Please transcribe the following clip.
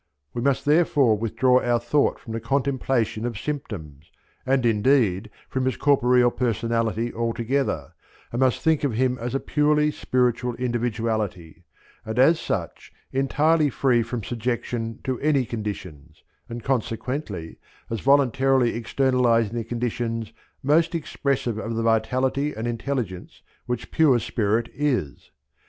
We must therefore withdraw our thought from the contemplation of symptoms, and indeed from his corporeal personality altogether, and must think of him as a purely spiritual individuality, and as such entirely free from subjection to any conditions, and consequently as voluntarily externalizing the conditions most expressive of the vitality and intelligence which pure spirit is.